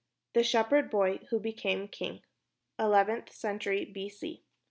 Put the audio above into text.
THE SHEPHERD BOY WHO BECAME KING [Eleventh century B.C.